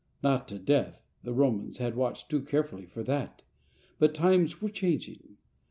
Not to death — the Romans had watched too carefully for that — ^but times were ; changing.